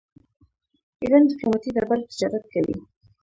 ایران د قیمتي ډبرو تجارت کوي.